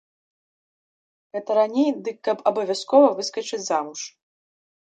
Гэта раней дык каб абавязкова выскачыць замуж.